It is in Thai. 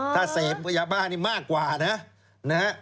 ถ้าเสพยาบ้านี่มากกว่านะ